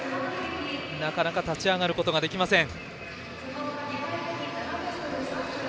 なかなか立ち上がることができません。